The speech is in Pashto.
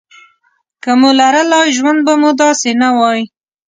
که مو لرلای ژوند به مو داسې نه وای.